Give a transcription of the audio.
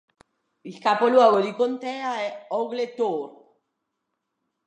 Il capoluogo di contea è Oglethorpe.